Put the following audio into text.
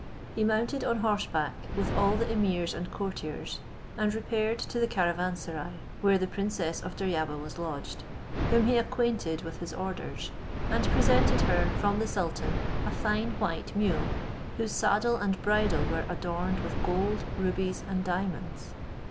He mounted on horseback with all the emirs and courtiers, and repaired to the caravanserai, where the princess of Deryabar was lodged, whom he acquainted with his orders; and presented her, from the sultan, a fine white mule, whose saddle and bridle were adorned with gold, rubies, and diamonds.